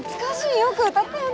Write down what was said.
よく歌ったよね！